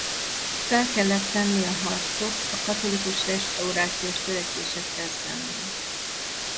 Fel kellett venni a harcot a katolikus restaurációs törekvésekkel szemben.